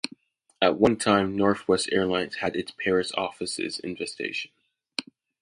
At one time Northwest Airlines had its Paris offices in the station.